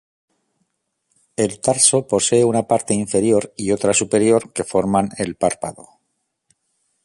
El tarso posee una parte inferior y otra superior que forman el párpado.